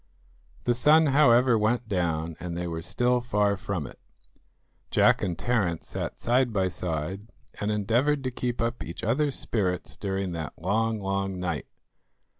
The sun, however, went down, and they were still far from it. Jack and Terence sat side by side, and endeavoured to keep up each other's spirits during that long, long night.